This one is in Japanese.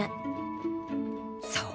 そう。